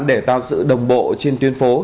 để tạo sự đồng bộ trên tuyên phố